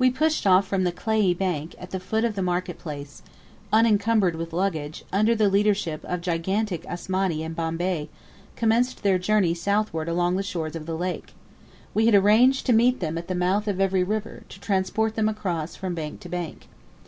We pushed off from the clayey bank at the foot of the market place, while the land party, unencumbered with luggage, under the leadership of gigantic Asmani and Bombay, commenced their journey southward along the shores of the lake. We had arranged to meet them at the mouth of every river to transport them across from bank to bank.